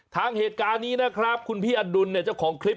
ทางเหตุการณ์นี้นะครับคุณพี่อดุลเนี่ยเจ้าของคลิป